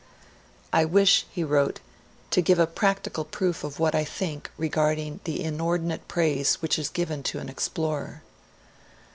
'I wish,' he wrote, 'to give a practical proof of what I think regarding the inordinate praise which is given to an explorer.'